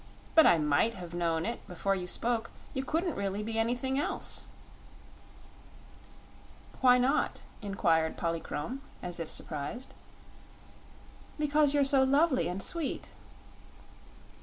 But I MIGHT have known it, before you spoke. You couldn't really be anything else." "Why not?" inquired Polychrome, as if surprised. "Because you're so lovely and sweet."